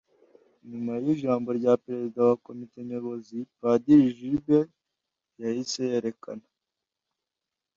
nyuma y’ijambo rya perezida wa komite nyobozi, padiri gilbert yahise yerekana